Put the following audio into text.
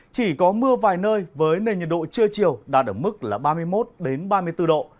chỉ có mưa vài nơi với nền nhiệt độ trưa chiều đạt ở mức ba mươi một ba mươi bốn độ